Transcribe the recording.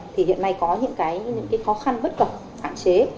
thì hiện nay có những cái khó khăn bất cập hạn chế